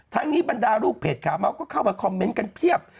ทั้งนี้บรรดาลูกเพจขาเมาส์ก็เข้ามาคอมเมนต์กันเพียบ